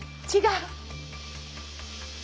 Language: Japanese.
違う。